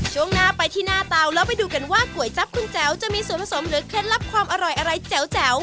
ช่วงหน้าไปที่หน้าเตาแล้วไปดูกันว่าก๋วยจับคุณแจ๋วจะมีส่วนผสมหรือเคล็ดลับความอร่อยอะไรแจ๋ว